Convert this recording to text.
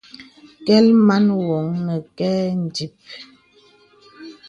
Kɛ̀l man wɔŋ nə kɛ ǹdìp.